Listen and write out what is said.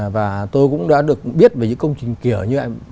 và tôi cũng đã được biết về những công trình kiểu như